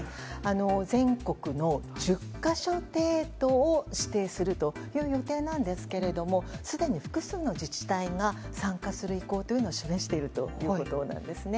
全国の１０か所程度を指定する予定なんですがすでに複数の自治体が参加する意向を示しているということなんですね。